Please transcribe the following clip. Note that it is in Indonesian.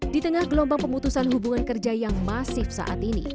di tengah gelombang pemutusan hubungan kerja yang masif saat ini